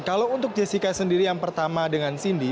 kalau untuk jessica sendiri yang pertama dengan cindy